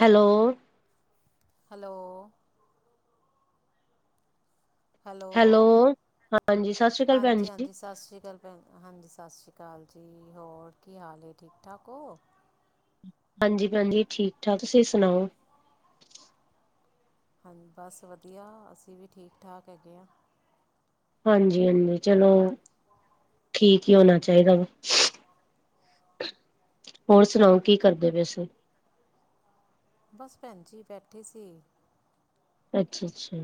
Hello. Hello. Hello. ਹਾਂਜੀ ਸਤਿ ਸ਼੍ਰੀ ਅਕਾਲ ਭੈਣ ਜੀ। ਹਾਂਜੀ-ਹਾਂਜੀ, ਸਤਿ ਸ਼੍ਰੀ ਅਕਾਲ। ਹਾਂਜੀ ਸਤਿ ਸ਼੍ਰੀ ਅਕਾਲ ਜੀ ਹੋਰ ਕੀ ਹਾਲ ਐ? ਠੀਕ ਠਾਕ ਹੋ? ਹਾਂਜੀ-ਹਾਂਜੀ, ਠੀਕ-ਠਾਕ ਤੁਸੀਂ ਸੁਣਾਓ। ਹਾਂ ਬਸ ਵਧੀਆ ਅਸੀਂ ਵੀ ਠੀਕ-ਠਾਕ ਹੈਗੇ ਆ। ਹਾਂਜੀ-ਹਾਂਜੀ, ਚਲੋ ਠੀਕ ਹੀ ਹੋਣਾ ਚਾਹੀਦਾ ਵਾ। ਹੋਰ ਸੁਣਾਓ ਕੀ ਕਰਦੇ ਪਏ ਸੀ? ਬਸ ਭੈਣ ਜੀ ਬੈਠੇ ਸੀ। ਅੱਛਾ-ਅੱਛਾ।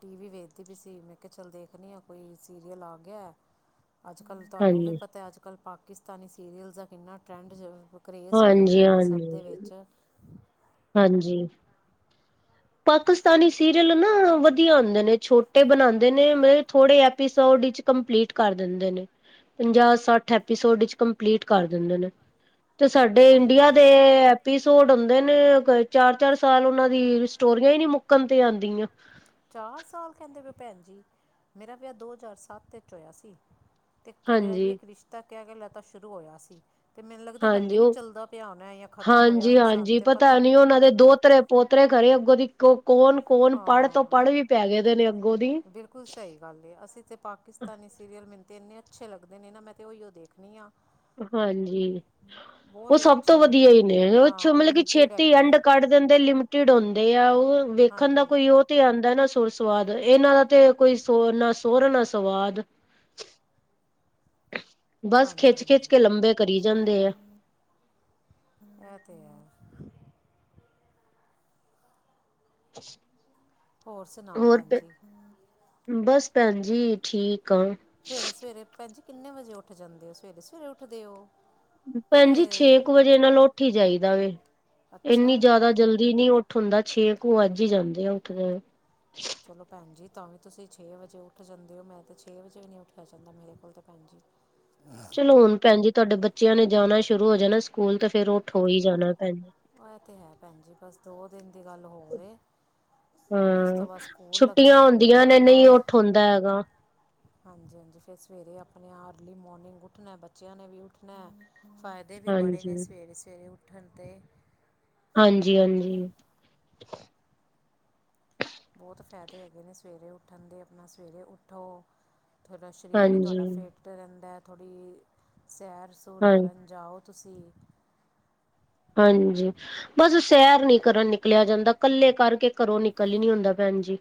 ਟੀ ਵੀ ਵੇਖਦੀ ਪਈ ਸੀ, ਮੈਂ ਕਿਹਾ ਚੱਲ ਦੇਖਣੀ ਹਾਂ ਕੋਈ ਸੀਰੀਅਲ ਆ ਗਿਆ। ਅੱਜ-ਕੱਲ੍ਹ ਤੁਹਾਨੂੰ ਵੀ ਹਾਂਜੀ ਪਤਾ ਅੱਜ-ਕੱਲ੍ਹ ਪਾਕਿਸਤਾਨੀ ਸੀਰੀਅਲ ਦਾ ਕਿੰਨਾ ਟਰੈਂਡ ਜ ਕਰੇਜ਼ ਹੋਇਆ ਹਾਂਜੀ ਪਿਆ ਵੇਂ ਸਭ ਦੇ ਹਾਂਜੀ ਵਿੱਚ ਹਾਂਜੀ। ਪਾਕਿਸਤਾਨੀ ਸੀਰੀਅਲ ਨਾ ਵਧੀਆ ਹੁੰਦੇ ਨੇ, ਛੋਟੇ ਬਣਾਦੇ ਨੇ ਮਤਲਬ ਥੋੜੇ ਕੰਪਲੀਟ ਕਰ ਦਿੰਦੇ ਨੇ। ਪੰਜਾਹ-ਸੱਠ ਐਪੀਸੋਡ ਇਚ ਕੰਪਲੀਟ ਕਰ ਦਿੰਦੇ ਨੇ ਤੇ ਸਾਡੇ ਇੰਡੀਆ ਹਾਂਜੀ ਦੇ ਐਪੀਸੋਡ ਹੁੰਦੇ ਨੇ ਚਾਰ- ਚਾਰ ਸਾਲ ਉਹਨਾਂ ਦੀ ਸਟੋਰੀਆਂ ਹੀ ਨਈ ਮੁੱਕਣ ਤੇ ਆਂਦੀਆਂ ਚਾਰ ਸਾਲ ਕਹਿੰਦੇ ਪਏ ਭੈਣ ਜੀ, ਮੇਰਾ ਵਿਆਹ ਦੋ ਹਜ਼ਾਰ ਸੱਤ ਵਿੱਚ ਹੋਇਆ ਸੀ। ਤੇ ਜੀ ਹਾਂਜੀ, ਇੱਕ ਰਿਸ਼ਤਾ ਕਿਹਾ ਕਿ ਲਤਾ ਸ਼ੁਰੂ ਹੋਇਆ ਸੀ। ਤੇ ਮੈਨੂੰ ਲੱਗਦਾ ਹਾਂਜੀ ਹਲੇ ਵੀ ਉਹ ਚੱਲਦਾ ਪਿਆ ਹੋਣਾ ਜਾਂ ਖ਼ਤਮ ਹੋਇਆ ਹਾਂਜੀ, ਹੁਣ ਸਾਨੂੰ ਹਾਂਜੀ ਤੇ ਪਤਾ ਨੀ। ਉਹਨਾਂ ਦੇ ਦੋਤਰੇ ਪੋਤਰੇ ਖਰੇ ਅੱਗੋਂ ਦੀ ਕੌਣ ਕੌਣ ਪੜ੍ਹ ਤੋਂ ਹਾਂ ਪੜ੍ਹ ਵੀ ਪੈ ਗਏ ਦੇ ਨੇ ਅੱਗੋਂ ਦੀ। ਬਿਲਕੁਲ ਸਹੀ ਗੱਲ ਏ ਅਸੀਂ ਤਾਂ ਪਾਕਿਸਤਾਨੀ ਸੀਰੀਅਲ ਮੈਨੂੰ ਤਾਂ ਇੰਨੇ ਅੱਛੇ ਲੱਗਦੇ ਨੇ ਨਾ ਮੈਂ ਤਾਂ ਉਹੀਓ ਦੇਖਣੀ ਹਾਂ। ਹਾਂਜੀ ਉਹ ਸਭ ਤੋਂ ਅੱਛੇ ਵਧੀਆ ਹੀ ਨੇ ਉਹ ਹਾਂ ਮਤਲਬ ਕਿ ਲਿਮਟਿਡ ਛੇਤੀ ਹੈਗੇ ਐਂਡ ਨੇ ਕੱਢ ਲਿਮਟਿਡ ਹੁੰਦੇ ਆ ਉਹ ਵੇਖਣ ਦਾ ਹਾਂਜੀ ਕੋਈ ਉਹ ਤੇ ਆਉਂਦਾ ਨਾ ਸੁਰ ਸੁਵਾਦ ਇਹਨਾਂ ਦਾ ਤੇ ਕੋਈ ਸੋ ਨਾ ਸੋ ਸੁਰ ਨਾ ਸਵਾਦ। ਬਸ ਹਾਂਜੀ ਖਿੱਚ ਖਿੱਚ ਕੇ ਹਾਂਜੀ ਲੰਬੇ ਕਰੀ ਜਾਂਦੇ ਆ। ਇਹ ਤੇ ਹੈ। ਅੱਛ ਹੋਰ ਸੁਣਾਓ ਭੈਣ ਜੀ। ਬਸ ਭੈਣ ਜੀ ਠੀਕ ਆ। ਸਵੇਰੇ ਸਵੇਰੇ ਭੈਣ ਜੀ ਕਿੰਨੇ ਵਜੇ ਉੱਠ ਜਾਂਦੇ ਹੋ ਸਵੇਰੇ ਸਵੇਰੇ ਉੱਠਦੇ ਉਹ। ਭੈਣ ਜੀ ਛੇ ਕੁ ਵਜੇ ਨਾਲ ਉੱਠੀ ਜਾਈਦਾ ਵੇ ਇੰਨੀ ਅੱਛਾ ਜਿਆਦਾ ਜਲਦੀ ਨੀ ਉਠ ਉਠ ਹੋਂਦਾ ਛੇ ਕੁੂ ਅੱਜ ਹੀ ਜਾਂਦੇ ਆ ਉੱਠਦਿਆਂ। [inaudible] ਚਲੋ ਭੈਣ ਜੀ ਤਾਂ ਵੀ ਤੁਸੀਂ ਛੇ ਵਜੇ ਉੱਠ ਜਾਂਦੇ ਹੋ ਮੈਂ ਤਾਂ ਛੇ ਵਜੇ ਵੀ ਨਹੀਂ ਉੱਠਿਆ ਜਾਂਦਾ ਮੇਰੇ ਕੋਲ ਤਾਂ ਭੈਣ ਜੀ। [inaudible] ਚਲੋ ਹੁਣ ਭੈਣ ਜੀ ਤੁਹਾਡੇ ਬੱਚਿਆਂ ਨੇ ਜਾਣਾ ਸ਼ੁਰੂ ਹੋ ਜਾਣਾ ਸਕੂਲ ਤੇ ਫੇਰ ਉਹ ਉਠੋ ਹੀ ਜਾਣਾ ਭੈਣ ਜੀ। ਇਹ ਤੇ ਹੈ ਭੈਣ ਜੀ ਬਸ ਦੋ ਦਿਨ ਦੀ ਗੱਲ ਹੋਰ ਏ। ਹੁਣ ਉਸ ਹਾਂ ਤੋਂ ਬਾਅਦ ਸਕੂਲ ਲੱਗਣੇ ਛੁੱਟੀਆਂ ਆਪਣੇ ਹੁੰਦੀਆਂ ਨੇ ਆਪ ਨਹੀਂ ਉੱਠ ਹੁੰਦਾ ਹੈਗਾ। ਹਾਂਜੀ ਹਾਂਜੀ ਫਿਰ ਸਵੇਰੇ ਆਪਣੇ ਅਰਲੀ ਮੋਨਿੰਗ ਉੱਠਣਾ ਬੱਚਿਆਂ ਨੇ ਵੀ ਉਠਣਾ ਫ ਦੇ ਵੀ ਬੜੇ ਨੇ ਹਾਂਜੀ। ਸਵੇਰੇ ਸਵੇਰੇ ਉੱਠਣ ਤੇ। ਹਾਂਜੀ ਹਾਂਜੀ। ਬਹੁਤ ਫਾਇਦੇ ਹੈਗੇ ਨੇ ਸਵੇਰੇ ਉੱਠਣ ਦੇ ਆਪਣਾ ਸਵੇਰੇ ਉਠੋ। ਤੁਹਾਡਾ ਸਰੀਰ ਵੀ ਤੁਹਾਡਾ ਹਾਂਜੀ, ਫਿੱਟ ਰਹਿੰਦਾ ਥੋੜ੍ਹੀ ਸੈਰ ਸੂਰ ਹਾਂ ਕਰਨ ਜਾਓ। ਤੁਸੀ ਹਾਂਜੀ। ਬਸ ਸੈਰ ਨੀ ਕਰਨ ਨਿਕਲਿਆ ਜਾਂਦਾ ਕੱਲੇ ਕਰਕੇ ਘਰੋਂ ਨਿਕਲ ਹੀ ਨੀ ਹੁੰਦਾ ਭੈਣ ਜੀ।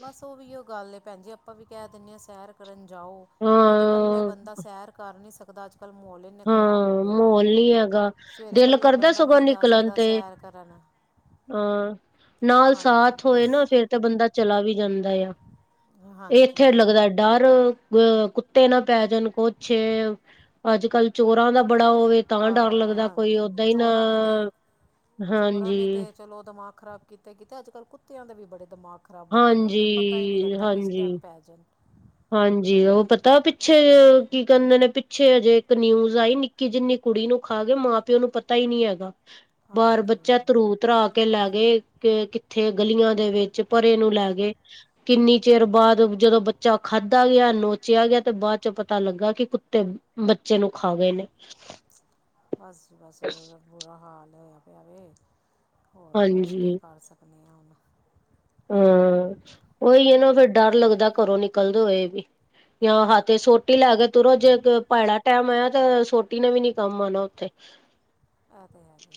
ਬਸ ਉਹ ਵੀ ਗੱਲ ਭੈਣ ਜੀ ਆਪਾਂ ਵੀ ਕਹਿ ਦਿੰਦੇ ਹਾਂ ਸੈਰ ਕਰਨ ਜਾਓ। ਇੱਕ ਤੇ ਕੱਲੇ ਹਾਂ, ਬੰਦਾ ਸੈਰ ਕਰ ਨੀ ਸਕਦਾ ਅੱਜ ਅ ਕਲ ਮੋਲੇ ਇੰਨੇ ਖਰਾਬ ਹੋ ਹਾਂ ਗਏ ਨੇ ਮਾਹੌਲ ਨੀ ਹੈਗਾ। ਸਵੇਰੇ ਦਿਲ ਇਕੱਲਾ ਕਰਦਾ ਬੰਦਾ ਵੀ ਸਗੋਂ ਨਹੀਂ ਜਾ ਨਿਕਲਣ ਸਕਦਾ ਤੇ ਸੈਰ ਕਰਨ। ਹਾਂ ਨਾਲ ਹਾਂਜੀ ਸਾਥ ਹੋਏ ਹਾਂਜੀ ਨਾ ਫੇਰ ਤੇ ਬੰਦਾ ਚਲਾ ਵੀ ਜਾਂਦਾ ਆ ਹਾਂ ਇਹ ਹਾਂਜੀ ਇੱਥੇ ਲੱਗਦਾ ਡਰ ਅ ਕੁੱਤੇ ਨਾ ਪੈ ਜਾਣ ਕੁ ਛੇ ਅੱਜ ਕੱਲ ਚੋਰਾਂ ਦਾ- ਬੜਾ ਹੋਵੇ ਤਾਂ ਡਰ ਲੱਗਦਾ ਕੋਈ ਹਾਂਜੀ ਓਦਾਂ ਹੀ ਨਾ ਚੋਰਾਂ ਨੇ ਤੇ ਚੋਰਾਂ ਹਾਂਜੀ ਨੇ ਤੇ ਚਲੋ ਦਿਮਾਗ ਖ਼ਰਾਬ ਕੀਤਾ ਕੀਤਾ ਤੇ ਅੱਜ ਕੱਲ ਕੁੱਤਿਆਂ ਦੇ ਵੀ ਬੜੇ ਦਿਮਾਗ ਖ਼ਰਾਬ ਹੋ ਗਏ ਨੇ ਉਹ ਤਾਂ ਪਤਾ ਹੀ ਨਹੀਂ ਹਾਂਜੀ ਲੱਗਦਾ ਕਿਸ ਹਾਂਜੀ ਟਾਈਮ ਪੈ ਜਾਣ। ਹਾਂਜੀ ਉਹ ਪਤਾ ਪਿੱਛੇ ਕੀ ਕਹਿੰਦੇ ਨੇ ਪਿੱਛੇ ਹਜੇ ਇੱਕ ਨਿਊਜ਼ ਆਈ ਨਿਕ ਕਿ ਜਿੰਨੀ ਕੁੜੀ ਨੂੰ ਖਾ ਕੇ ਮਾਂ ਪਿਓ ਨੂੰ ਪਤਾ ਹੀ ਨਹੀਂ ਹੈਗਾ ਬਾਹਰ ਹਾਂਜੀ ਬੱਚਾ ਤਰੂ ਧਰਾ ਕੇ ਕੇ ਲੈ ਗੇ ਕਿੱਥੇ ਗਲੀਆਂ ਦੇ ਵਿੱਚ ਪਰੇ ਨੂੰ ਲੈ ਗਏ। ਕਿੰਨੀ ਚਿਰ ਬਾਅਦ ਜਦੋਂ ਬੱਚਾ ਖਾਧਾ ਗਿਆ ਨੋਚਿਆ ਗਿਆ ਤੇ ਬਾਅਦ ਚ ਪਤਾ ਲੱਗਾ ਕਿ ਕੁੱਤੇ ਬੱਚੇ ਨੂੰ ਖਾ ਗਏ ਨੇ। ਬਸ ਜੀ ਬਸ ਬੁਰਾ ਬੁਰਾ ਹਾਲ ਹੋਇਆ ਪਿਆ ਵੇ। ਹੋਰ ਬਸ ਕੀ ਹਾਂਜੀ ਕਰ ਸਕਦੇ ਹਾਂ ਹੁਣ। ਹਾਂ ਉਹੀ ਇਹ ਨਾ ਫੇਰ ਡਰ ਲੱਗਦਾ ਘਰੋਂ ਨਿਕਲਦੇ ਹੋਏ ਵੀ। ਆਹਾਂ ਹੱਥ ਵਿੱਚ ਸੋਟੀ ਲੈ ਕੇ ਤੁਰੋ ਜੇ ਭੈੜਾ ਟੈਮ ਆਇਆ ਤੇ ਸੋਟੀ ਟੀ ਨੇ ਵੀ ਨੀ ਕੰਮ ਆਉਣਾ ਉੱਥੇ। ਐ ਤੇ ਹੈ ਵੇ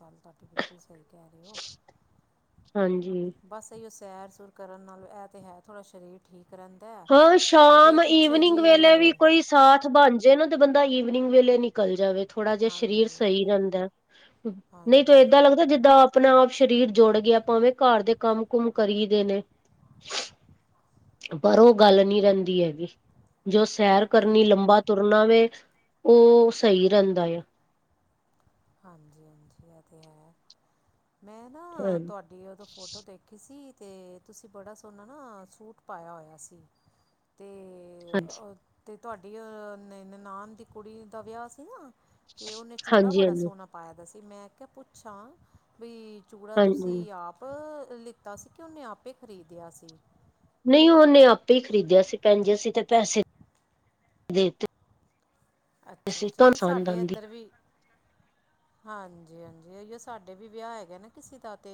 ਗੱਲ ਤੁਹਾਡੀ ਬਿਲਕੁਲ ਸਹੀ ਕਹਿ ਰਹੇ ਹੋ ਹਾਂਜੀ ਬਸ ਤਾਂ ਉਹ ਸੈਰ ਸੂਰ ਕਰਨ ਨਾਲ ਇਹ ਤਾਂ ਹੈ ਥੋੜ੍ਹਾ ਸ਼ਰੀਰ ਠੀਕ ਰਹਿੰਦਾ ਹੈ ਹਾਂ ਅੱਗੇ ਸ਼ਾਮ, ਪਿੱਛੇ ਈਵਨਿੰਗ ਜੀ ਵੇਲੇ ਵੀ ਕੋਈ ਸਾਥ ਬਣ ਜੇ ਨਾ, ਤੇ ਬੰਦਾ ਈਵਨਿੰਗ ਵੇਲੇ ਨਿਕਲ ਜਾਵੇ। ਥੋੜਾ ਜਿਹਾ ਸਰੀਰ ਹਾਂਜੀ ਸਹੀ ਹਾਂਜੀ ਰਹਿੰਦਾ, ਨਹੀਂ ਤਾਂ ਹਾਂਜੀ ਏਦਾਂ ਲੱਗਦਾ, ਜਿੱਦਾਂ ਆਪ ਆਪਣਾ ਆਪ ਸਰੀਰ ਜੁੜ ਗਿਆ, ਭਾਵੇਂ ਘਰ ਦੇ ਕੰਮ ਕੁਮ ਕਰੀ ਦੇ ਨੇ ਪਰ ਉਹ ਗੱਲ ਨਹੀਂ ਰਹਿੰਦੀ ਹੈਗੀ, ਜੋ ਇਹ ਸੈਰ ਤਾਂ ਹੈ ਕਰਨੀ ਲੰਬਾ ਤੁਰਨਾ ਵੇ, ਉਹ ਸਹੀ ਰਹਿੰਦਾ ਆ। ਹਾਂਜੀ- ਹਾਂਜੀ ਇਹ ਤੇ ਹੈ, ਮੈਂ ਨਾ ਹਾਂ ਤੁਹਾਡੇ ਉਦੋਂ ਫੋਟੋ ਦੇਖੀ ਸੀ, ਤੇ ਤੁਸੀਂ ਬੜਾ ਸੋਹਣਾ ਨਾ, ਸੂਟ ਪਾਇਆ ਹੋਇਆ ਸੀ ਤੇ ਹਾਂਜੀ ਅਤੇ ਤੁਹਾਡੀ ਨਨਾਣ ਦੀ ਕੁੜੀ ਦਾ ਵਿਆਹ ਸੀ ਨਾ। ਤੇ ਉਹਨੇ ਚੂੜਾ ਹਾਂਜੀ ਬੜਾ ਹਾਂਜੀ ਸੋਹਣਾ ਪਾਇਆ ਦਾ ਸੀ, ਮੈਂ ਕਿਹਾ ਪੁੱਛਾਂ ਵੀ ਚੂੜਾ ਹਾਂਜੀ ਤੁਸੀਂ ਆਪ ਲਿੱਤਾ ਸੀ ਕਿ ਉਹਨੇ ਆਪੇ ਖਰੀਦਿਆ ਸੀ? ਨਹੀਂ ਉਹਨੇ ਆਪੇ ਹੀ ਖਰੀਦਿਆ ਸੀ ਭੈਣਜੀ, ਅਸੀ ਤੇ ਪੈਸੇ ਦੇਤੇ ਸੀ ਅੱਛਾ- ਅੱਛਾ, ਤੁਹਾਨੂੰ ਨਹੀਂ ਪਸੰਦ ਸਾਡੇ ਆਂਦੀ ਇੱਧਰ ਵੀ ਹਾਂਜੀ -ਹਾਂਜੀ, ਅਓ ਸਾਡੇ ਵੀ ਵਿਆਹ ਹੈਗਾ ਨਾ ਕਿਸੇ ਦਾ ਤੇ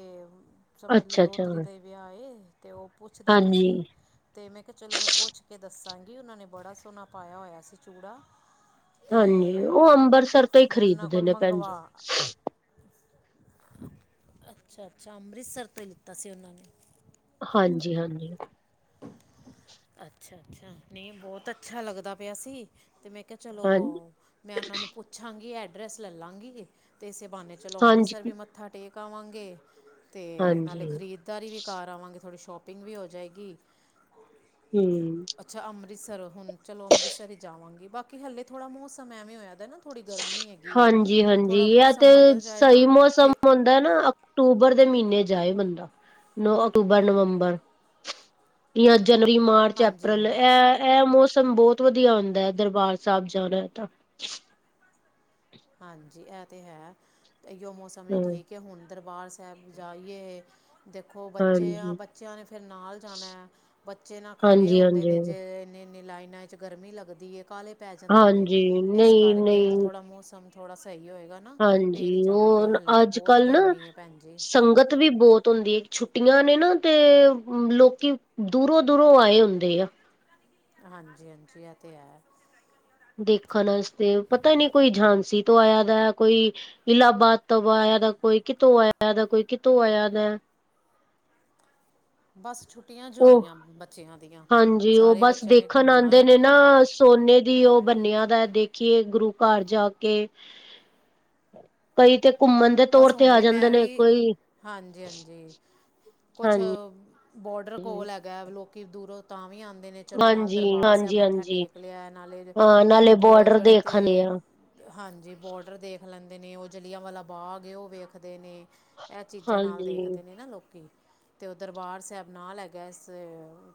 ਸਮਝ ਲਓ, ਅੱਛਾ ਦੋ ਅੱਛਾ ਤਰੀਕ ਦਾ ਹੀ ਵਿਆਹ ਏ, ਤੇ ਉਹ ਪੁੱਛਦੇ ਪਏ ਹਾਂਜੀ ਸੀ ਤੇ ਮੈਂ ਕਿਹਾ ਚਲੋ ਮੈਂ ਪੁੱਛ ਕੇ ਦੱਸਾਂਗੀ, ਉਹਨਾਂ ਨੇ ਬੜਾ ਸੋਹਣਾ ਪਾਇਆ ਹੋਇਆ ਸੀ ਚੂੜਾ। ਹਾਂਜੀ, ਤੇ ਉਹ ਅੰਬਰਸਰ ਤੋਂ ਹੀ ਮੈਂ ਉਹਨਾਂ ਖਰੀਦਦੇ ਕੋਲ ਨੇ ਭੈਣ ਜੀ। ਮੰਗਵਾ ਅੱਛਾ- ਅੱਛਾ ਅੰਮ੍ਰਿਤਸਰ ਤੋਂ ਹੀ ਲਿੱਤਾ ਸੀ ਉਹਨਾਂ ਨੇ ਹਾਂਜੀ -ਹਾਂਜੀ ਅੱਛਾ- ਅੱਛਾ, ਨਹੀਂ ਬਹੁਤ ਅੱਛਾ ਲੱਗਦਾ ਪਿਆ ਸੀ। ਤੇ ਮੈਂ ਕਿਹਾ ਚਲੋ, ਹਾਂਜੀ ਮੈਂ ਉਹਨਾਂ ਨੂੰ ਪੁੱਛਾਂਗੀ, ਐਡਰੈਸ ਲੈ ਲਾਂਗੀ ਤੇ ਇਸੇ ਬਹਾਨੇ ਚਲੋ ਹਾਂਜੀ ਅੰਮ੍ਰਿਤਸਰ ਵੀ ਮੱਥਾ ਟੇਕ ਆਵਾਂਗੇ, ਤੇ ਨਾਲੇ ਹਾਂਜੀ ਖਰੀਦ ਧਾਰੀ ਵੀ ਕਰ ਆਵਾਂਗੇ ਥੋੜ੍ਹੀ ਸ਼ੋਪਿੰਗ ਵੀ ਹੋ ਜਾਏਗੀ। [inaudible] ਹਮ ਅੱਛਾ ਅੰਮ੍ਰਿਤਸਰ, ਹੁਣ ਚਲੋ ਅੰਮ੍ਰਿਤਸਰ ਜਾਵਾਂਗੀ, ਬਾਕੀ ਹਲੇ ਥੋੜ੍ਹਾ ਮੌਸਮ ਐਵੇਂ ਹੋਇਆਦਾ ਨਾ ਥੋੜ੍ਹੀ ਗਰਮੀ ਹੈਗੀ ਏ, ਹਾਂਜੀ ਹਾਂਜੀ ਥੋੜਾ ਮੌਸਮ ਬਦਲ ਜਾਏ ਨਾ, ਫਿਰ ਬੰਦਾ ਨਾ ਅਕਤੂਬਰ ਦੇ ਮਹੀਨੇ ਜਾਏ ਬੰਦਾ, ਨ ਅਕਤੂਬਰ, ਨਵੰਬਰ ਜਾਂ [unintelligible] ਜਨਵਰੀ, ਮਾਰਚ, ਹਾਂਜੀ ਅਪ੍ਰੈਲ ਹਾਂਜੀ ਇਹ, ਇਹ ਮੌਸਮ ਬਹੁਤ ਵਧੀਆ ਹੁੰਦਾ ਹੈ ਦਰਬਾਰ ਸਾਹਿਬ ਜਾਣਾ ਤਾਂ। ਹਾਂਜੀ ਇਹ ਤਾਂ ਹੈ, ਇਓ ਮੌਸਮ ਹੀ ਹਮ ਠੀਕ ਕਿ ਹੁਣ ਦਰਬਾਰ ਸਾਹਿਬ ਜਾਈਏ। ਦੇਖੋ ਬੱਚੇ ਹਾਂਜੀ ਆਂ, ਬੱਚਿਆਂ ਨੇ ਫਿਰ ਨਾਲ ਜਾਣਾ ਬੱਚੇ ਨਾ ਖੜੇ ਹਾਂਜੀ ਹੁੰਦੇ ਨੇ, ਹਾਂਜੀ ਜੇ ਇੰਨੇ -ਇੰਨੇ ਲਾਈਨਾਂ 'ਚ ਗਰਮੀ ਲੱਗਦੀ ਏ, ਕਾਹਲੇ ਪੈ ਜਾਂਦੇ ਨੇ, ਹਾਂਜੀ ਇਸ ਨਹੀਂ ਕਰਕੇ ਹੁਣ ਨਹੀਂ ਥੋੜ੍ਹਾ ਮੌਸਮ, ਥੋੜ੍ਹਾ ਸਹੀ ਹੋਏਗਾ। ਨਾ ਹਾਂਜੀ, ਫਿਰ ਹੀ ਉਹ ਜਾਵਾਂਗੇ ਹਾਲੇ ਤਾਂ ਅੱਜ ਬਹੁਤ -ਕੱਲ ਨਾ, ਗਰਮੀ ਹੈ ਭੈਣ ਜੀ ਸੰਗਤ ਵੀ ਬਹੁਤ ਹੁੰਦੀ ਏ। ਛੁੱਟੀਆਂ ਨੇ ਨਾ, ਤੇ ਲੋਕੀ ਦੂਰੋਂ -ਦੂਰੋਂ ਆਏ ਹੁੰਦੇ ਆ। ਹਾਂਜੀ -ਹਾਂਜੀ, ਇਹ ਤਾਂ ਹੈ। ਦੇਖਣ ਵਾਸਤੇ, ਪਤਾ ਹੀ ਨਹੀਂ ਕੋਈ ਝਾਂਸੀ ਤੋਂ ਆਇਆ ਦਾ, ਕੋਈ ਇਲਾਹਬਾਦ ਤੋਂ ਆਇਆ ਦਾ, ਕੋਈ ਕਿਤੋਂ ਆਇਆ ਦਾ, ਕੋਈ ਕਿਤੋਂ ਆਇਆ ਦਾ। ਬਸ ਛੁੱਟੀਆਂ ਜੋ ਉਹ, ਹੋਈਆਂ ਬੱਚਿਆਂ ਦੀਆਂ ਹਾਂਜੀ ਉਹ ਸਾਰੇ ਬਸ ਬੱਚਿਆਂ ਨੇ ਦੇਖਣ ਘੁੰਮਣਾ ਆਉਂਦੇ ਹੈ ਨੇ ਨਾ। ਸੋਨੇ ਦੀ ਉਹ ਬੰਨਿਆਂ ਦਾ, ਦੇਖੀਏ ਗੁਰੂ ਘਰ ਜਾ ਕੇ ਕਈ ਤੇ ਘੁੰਮਣ ਦੇ ਤੌਰ ਬਸ ਤੇ ਆ ਹੁਣੇ ਮੈਂ ਜਾਂਦੇ ਨੇ, ਵੀ ਕੋਈ ਹਾਂਜੀ ਹਾਂਜੀ ਕੁਛ ਹਾਂਜੀ ਬੋਡਰ ਕੋਲ ਹੈਗਾ, ਲੋਕੀ ਦੂਰੋਂ ਤਾਂ ਵੀ ਆਉਂਦੇ ਨੇ। ਚਲੋ ਨਾਲ ਹਾਂਜੀ ਦਰਬਾਰ ਸਾਹਿਬ ਹਾਂਜੀ ਮੱਥਾ ਹਾਂਜੀ ਟੇਕ ਲਿਆ, ਨਾਲੇ ਹਾਂ ਨਾਲੇ ਬ ਬੋਡਰ ਜਿਹੜੇ ਦੇਖਣੇ ਤੇ ਆ ਹਾਂਜੀ ਬੋਡਰ ਦੇਖ ਲੈਂਦੇ ਨੇ, ਉਹ ਜਲ੍ਹਿਆਂਵਾਲਾ ਬਾਗ ਏ, ਉਹ ਵੇਖਦੇ ਨੇ। ਇਹ ਚੀਜ਼ਾਂ ਨਾਲ ਹਾਂਜੀ ਦੇਖਦੇ ਨੇ, ਨਾ ਲੋਕੀ ਅ ਤੇ ਉਹ ਦਰਬਾਰ ਸਾਹਿਬ ਨਾਲ ਲੈ ਹੈਗਾ, ਇਸ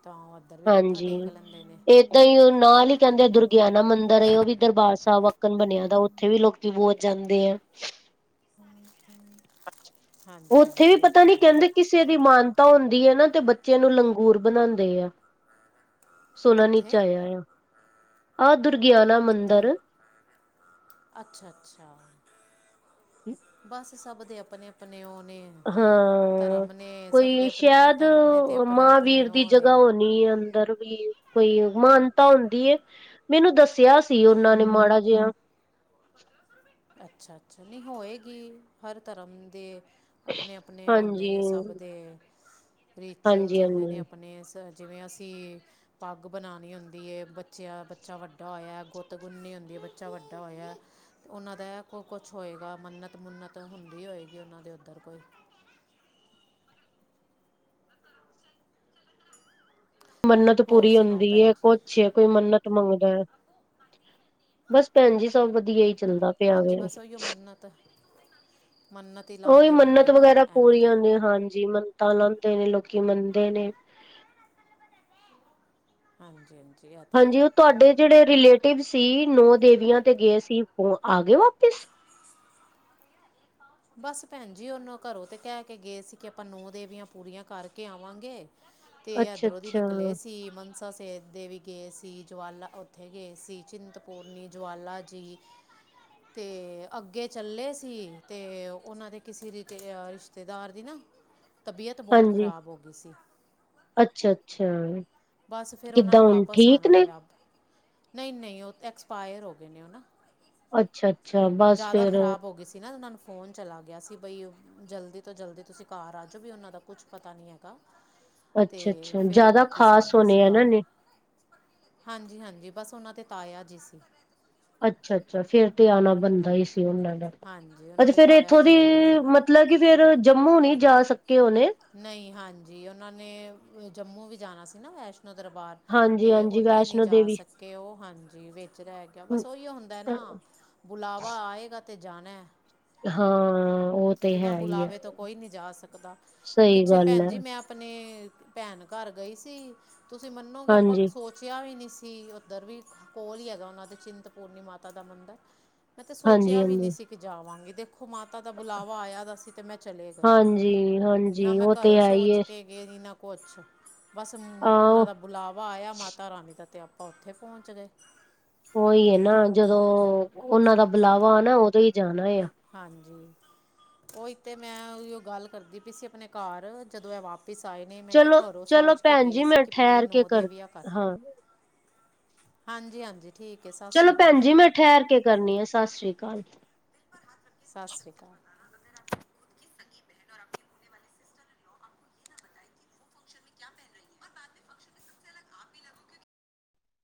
ਤਾਂ। ਉੱਧਰ ਵੀ ਮੱਥਾ ਹਾਂਜੀ, ਟੇਕ ਲੈਂਦੇ ਨੇ ਏਦਾਂਈ ਏ ਨਾਲ ਈ ਕਹਿੰਦੇ ਦੁਰਗਿਆਨਾ ਮੰਦਿਰ ਏ ਉਹ ਵੀ ਦਰਬਾਰ ਸਾਬ ਬਣਿਆ ਦਾ ਉੱਥੇ ਵੀ ਲੋਕੀ ਬੋਤ ਜਾਂਦੇ ਆ। ਉੱਥੇ ਵੀ ਹਾਂਜੀ-ਹਾਂਜੀ ਇਹ ਪਤਾ ਤੇ ਨੀ ਹੈ। ਕਹਿੰਦੇ ਕਿਸੇ ਦੀ ਮਾਨਤਾ ਹੁੰਦੀ ਐ ਨਾ ਤੇ ਬੱਚਿਆਂ ਨੂੰ ਲੰਗੂਰ ਬਣਾਂਦੇ ਆ। ਸੁਣਨ ਇਚ ਕਿੱਥੇ ਆਇਆ ਆ। ਆਹ ਦੁਰਗਿਆਨਾ ਮੰਦਿਰ। ਅੱਛਾ-ਅੱਛਾ। ਬਸ, ਸਭ ਦੇ ਆਪਨੇ-ਆਪਨੇ ਉਹ ਨੇ ਹਾਂ, ਧਰਮ ਨੇ ਸਭ ਦੇ ਕੋਈ ਆਪਣੇ ਆਪਣੇ ਸੈ਼ਦ ਧਰਮ ਨੇ ਤੇ ਆਪਣੇ ਆਪਣੇ ਮਾਂਵੀਰ ਦੀ ਉਹ ਜਗ੍ਹਾ ਨੇ ਹੋਣੀ ਐ ਅੰਦਰ। ਵੀ, ਕੋਈ ਮਾਨਤਾ ਹੁੰਦੀ ਏ, ਮੈਨੂੰ ਦੱਸਿਆ ਸੀ। ਉਹਨਾਂ ਨੇ ਮਾੜਾ ਜਿਹਾ। ਅੱਛਾ-ਅੱਛਾ ਨਈ ਹੋਏਗੀ, ਹਰ ਧਰਮ ਦੇ ਆਪਣੇ-ਆਪਣੇ ਉਹ ਹੁੰਦੇ ਹਾਂਜੀ ਨੇ, ਸਭ ਦੇ ਰਿਚੁਵਲਸ ਹਾਂਜੀ ਹੁੰਦੇ ਨੇ ਹਾਂਜੀ ਆਪਣੇ ਜਿਵੇਂ, ਅਸੀਂ ਪੱਗ ਬਨਾਣੀ ਹੁੰਦੀ ਏ। ਬੱਚਿਆਂ, ਬੱਚਾ ਵੱਡਾ ਹੋਇਆ ਗੁੱਤ ਗੁੰਨਨੀ ਹੁੰਦੀ ਐ ਬੱਚਾ ਵੱਡਾ ਹੋਇਆ। ਉਹਨਾਂ ਦੈ, ਕੋ ਕੁਛ ਹੋਏਗਾ ਮੰਨਤ-ਮੁੰਨਤ ਹੁੰਦੀ ਹੋਏਗੀ ਉਹਨਾਂ ਦੇ ਉੱਧਰ ਕੋਈ। [unintelligible] ਮੰਨਤ ਹੋਰ ਪੂਰੀ ਸੁਣਾਓ ਹੁੰਦੀ ਭੈਣ ਏ ਜੀ ਕੁਛ ਕੋਈ ਮੰਨਤ ਮੰਗਦਾ ਐ ਬਸ ਭੈਨਜੀ ਸਭ ਵਧੀਆ ਈ ਚੱਲਦਾ ਪਿਆ ਹਾਂਜੀ ਵੇ ਬਸ ਉਹੀਓ ਮੰਨਤ-ਮੰਨਤ ਉਹੀ ਮੰਨਤ ਵਗੈਰਾ ਪੂਰੀਆਂ ਹੁੰਦੀਆਂ, ਹਾਂਜੀ ਮੰਨਤਾਂ ਲਾਉਦੇ ਨੇ ਲੋਕੀ ਮੰਨਦੇ ਨੇ। ਹਾਂਜੀ-ਹਾਂਜੀ। ਹਾਂਜੀ ਉਹ ਤੁਹਾਡੇ ਜਿਹੜੇ ਰਿਲੇਟਿਵ ਸੀ, ਨੌ ਦੇਵੀਆਂ ਤੇ ਗੇ ਸੀ, ਉਹ ਆ ਗੇ ਵਾਪਿਸ। ਬਸ ਭੈਨਜੀ ਉਹਨੂੰ ਘਰੋਂ ਤੇ ਕਹਿ ਕੇ ਗਏ ਸੀ, ਕਿ ਆਪਾਂ ਨੌ ਦੇਵੀਆਂ ਪੂਰੀਆਂ ਕਰਕੇ ਆਵਾਂਗੇ। ਤੇ, ਅੱਛਾ ਐਧਰੋਂ ਦੀ ਅੱਛਾ ਨਿਕਲੇ ਸੀ ਮਨ ਸੇ ਦੇਵੀ ਗਏ ਸੀ ਜਵਾਲਾ ਉੱਥੇ ਗਏ ਸੀ ਚਿੰਤਪੂਰਨੀ, ਜਵਾਲਾ ਜੀ ਤੇ, ਅੱਗੇ ਚੱਲੇ ਸੀ ਤੇ, ਉਹਨਾਂ ਦੇ ਕਿਸੇ ਰਿ, ਰਿਸ਼ਤੇਦਾਰ ਦੀ ਨਾ ਤਬੀਅਤ ਬੋਤ ਹਾਂਜੀ ਖ਼ਰਾਬ ਹੋਗੀ ਸੀ। ਅੱਛਾ-ਅੱਛਾ। ਬਸ ਫਿਰ ਉਹਨਾਂ ਕਿੱਦਾਂ ਨੂੰ ਹੁਣ ਵਾਪਸ ਠੀਕ ਆਣਾ ਨੇ? ਪਿਆ। ਨਹੀਂ-ਨਹੀਂ ਉਹ ਤੇ ਐਕਸਪਾਇਰ ਹੋ ਗਏ ਨੇ ਉਹ ਨਾ ਅੱਛਾ-ਅੱਛਾ ਬਸ ਜਾਦਾ ਫੇਰ ਖ਼ਰਾਬ ਹੋ ਗੀ ਸੀ ਨਾ ਉਹਨਾਂ ਨੂੰ ਫ਼ੋਨ ਚਲਾ ਗਿਆ ਸੀ ਬਈ, ਜਲਦੀ ਤੋਂ ਜਲਦੀ ਤੁਸੀਂ ਘਾਰ ਆ ਜੋ ਵੀ ਉਹਨਾਂ ਦਾ ਕੁਛ ਪਤਾ ਨੀ ਹੈਗਾ ਤੇ, ਅੱਛਾ-ਅੱਛਾ ਫੇਰ ਉਹ ਜ਼ਿਆਦਾ ਵਾਪਿਸ ਆ ਖ਼ਾਸ ਗੇ ਹੋਣੇ ਸੀ ਇਹਨਾਂ ਘਾਰ। ਨੇ ਹਾਂਜੀ-ਹਾਂਜੀ ਬਸ ਉਹਨਾਂ ਦੇ ਤਾਇਆ ਜੀ ਸੀ। ਅੱਛਾ-ਅੱਛਾ ਫੇਰ ਤੇ ਆਣਾ ਬਣਦਾ ਈ ਸੀ ਉਹਨਾਂ ਦਾ, ਹਾਂਜੀ ਉਹਨਾਂ ਅੱਛਾ ਦੇ ਫੇਰ ਤਾਇਆ ਇੱਥੋਂ ਦੀ ਜੀ ਹੈਗੇ ਸੀ ਮ [unintelligible] ਕਿ ਫੇਰ ਜੰਮੂ ਨੀ ਜਾ ਸਕੇ ਹੋਨੇ। ਨਈ ਹਾਂਜੀ ਉਹਨਾਂ ਨੇ, ਜੰਮੂ ਵੀ ਜਾਣਾ ਸੀ ਨਾ ਵੈਸ਼ਨੋ ਦਰਬਾਰ। ਤੇ, ਹਾਂਜੀ-ਹਾਂਜੀ ਉੱਥੇ ਨੀ ਵੈਸ਼ਨੋ ਜਾ ਦੇਵੀ ਸਕੇ ਉਹ ਹਾਂਜੀ ਵਿਚ ਰਹਿ ਗਿਆ ਬਸ ਉਈਓ ਹੁੰਦਾ ਨਾ ਬੁਲਾਵਾ ਆਏਗਾ ਤਾਂ ਜਾਣੈ। ਹਾਂ ਉਹ ਤੇ ਬਿਨਾਂ ਹੈ ਹੀ ਹੈ ਬੁਲਾਵੇ ਤੋਂ ਕੋਈ ਨੀ ਜਾ ਸਕਦਾ, ਸਹੀ ਪਿੱਛੇ ਗੱਲ ਹੈ ਭੈਨਜੀ ਮੈਂ ਨੇ, ਭੈਣ ਘਰ ਗਈ ਸੀ, ਤੁਸੀਂ ਮੰਨੋਗੇ ਆਪਾਂ ਹਾਂਜੀ। ਸੋਚ ਕਿਆ ਵੀ ਨੀ ਸੀ, ਉੱਧਰ ਵੀ ਕੋਲ ਈ ਹੈਗਾ ਉਹਨਾਂ ਦੇ ਚਿੰਤਪੂਰਨੀ ਮਾਤਾ ਦਾ ਮੰਦਰ। ਮੈਂ ਤੇ ਸੋਚਿਆ ਵੀ ਨੀ ਹਾਂਜੀ-ਹਾਂਜੀ, ਸੀ ਕਿ ਜਾਵਾਂਗੀ, ਦੇਖੋ ਮਾਤਾ ਦਾ ਬੁਲਾਵਾ ਆਇਆ ਦਾ ਸੀ ਤੇ ਮੈਂ ਚਲੇ ਗਈ, ਹਾਂਜੀ-ਹਾਂਜੀ ਨਾ ਮੈਂ ਉਹ ਤੇ ਘਰੋਂ ਹੈ ਹੀ ਸੋਚ ਹੈ ਕੇ ਇਹ ਵੀ ਨਾ ਕੁਛ ਬਸ ਉਹਨਾਂ ਆਹ ਦਾ ਬੁਲਾਵਾ ਆਇਆ ਮਾਤਾ ਰਾਣੀ ਦਾ ਤੇ ਆਪਾਂ ਉੱਥੇ ਪੌਚ ਗਏ। ਉਹੀ ਐ ਨਾ ਜਦੋਂ, ਉਹਨਾਂ ਦਾ ਬੁਲਾਵਾ ਆਨਾ ਉਦੋਂ ਈ ਜਾਨਾ ਆ। ਹਾਂਜੀ, ਉਈ ਤੇ ਮੈਂ ਓਈਓ ਗੱਲ ਕਰਦੀ ਪੀ ਸੀ ਅਪਨੇ ਘਾਰ ਜਦੋਂ ਐ ਵਾਪ ਪਿਸਾਈ ਨੇ ਮੈਂ ਚਲੋ ਕਿਹਾ ਘਰੋਂ ਚਲੋ ਸੋਚ ਕੇ ਭੈਣ ਗਏ ਜੀ ਮੈਂ ਸੀ ਕਿ ਪੂਰੇ ਠਹਿਰ ਕੇ ਨੌ ਦੇਵਿਆ ਕਰ ਹਾਂ ਹਾਂਜੀ-ਹਾਂਜੀ। ਠੀਕ ਏ ਸ ਚਲੋ ਭੈਣ ਜੀ ਮੈਂ ਠੈਰ ਕੇ ਕਰਨੀ ਆ ਸਂਸਰੀ ਕਾਲ। ਸਂਸਰੀ ਕਾਲ।